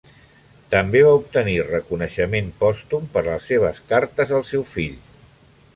També va obtenir reconeixement pòstum per les seves "Cartes al seu fill".